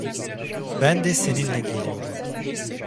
Ben de seninle geliyorum.